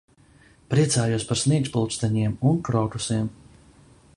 Priecājos par sniegpulksteņiem un krokusiem.